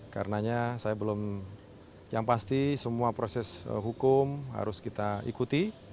karenanya saya belum yang pasti semua proses hukum harus kita ikuti